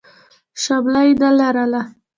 شمله يې نه لرله.